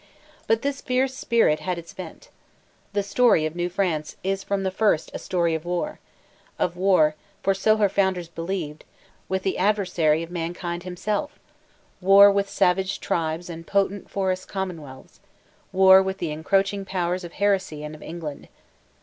But this fierce spirit had its vent. The story of New France is from the first a story of war: of war for so her founders believed with the adversary of mankind himself; war with savage tribes and potent forest commonwealths; war with the encroaching powers of Heresy and of England.